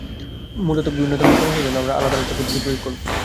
মূলত বিভিন্ন ধরনের সমস্যার জন্য আমরা আলাদা আলাদা পদ্ধতি প্রয়োগ করবো।